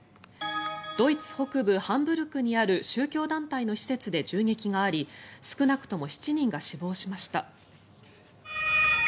ドイツ北部ハンブルクにある宗教団体の施設で銃撃があり少なくとも７人が死亡しました。